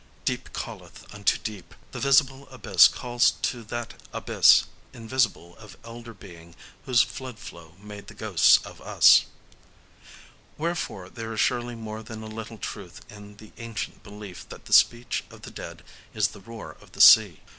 Deep calleth unto deep. The visible abyss calls to that abyss invisible of elder being whose flood flow made the ghosts of us. Wherefore there is surely more than a little truth in the ancient belief that the speech of the dead is the roar of the sea.